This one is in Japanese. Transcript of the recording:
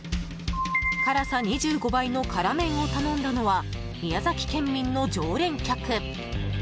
辛さ２５倍の辛麺を頼んだのは宮崎県民の常連客。